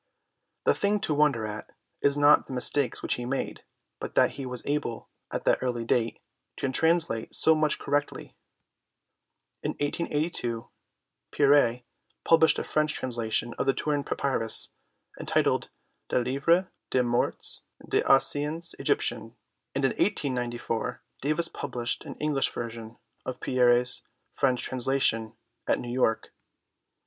The thing to wonder at is not the mistakes which he made, but that he was able, at that early date, to translate so much correctly. In 1882 Pierret published a French trans lation of the Turin Papyrus entitled Le Livre des Morts des anciens Egyptiens, and in 1894 Davis published an English version of Pierret's French translation at New York.